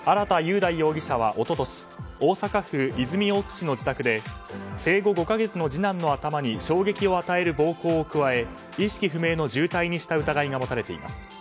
大容疑者は一昨年大阪府泉大津市の自宅で生後５か月の次男の頭に衝撃を与える暴行を加え意識不明の重体にした疑いが持たれています。